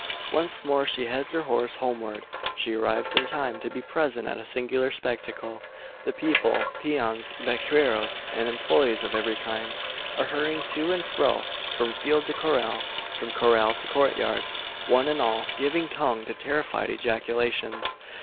Once more she heads her horse homeward. She arrives in time to be present at a singular spectacle. The people peons, vaqueros, and employes of every kind are hurrying to and fro, from field to corral, from corral to courtyard one and all giving tongue to terrified ejaculations.